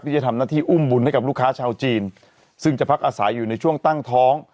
จะทำหน้าที่อุ้มบุญให้กับลูกค้าชาวจีนซึ่งจะพักอาศัยอยู่ในช่วงตั้งท้อง